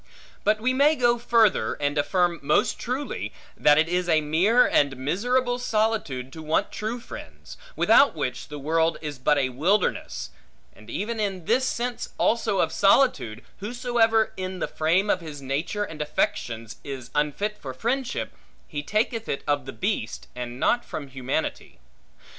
But we may go further, and affirm most truly, that it is a mere and miserable solitude to want true friends; without which the world is but a wilderness; and even in this sense also of solitude, whosoever in the frame of his nature and affections, is unfit for friendship, he taketh it of the beast, and not from humanity.